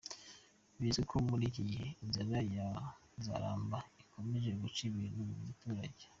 Bizwi ko muri iki gihe inzara ya Nzaramba ikomeje guca ibintu mu giturage.